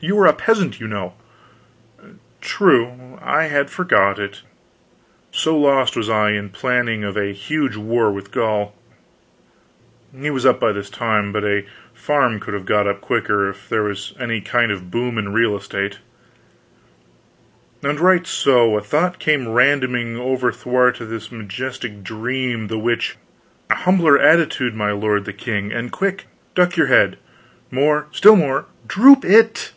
You are a peasant, you know." "True I had forgot it, so lost was I in planning of a huge war with Gaul" he was up by this time, but a farm could have got up quicker, if there was any kind of a boom in real estate "and right so a thought came randoming overthwart this majestic dream the which " "A humbler attitude, my lord the king and quick! Duck your head! more! still more! droop it!"